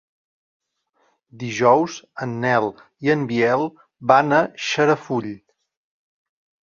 Dijous en Nel i en Biel van a Xarafull.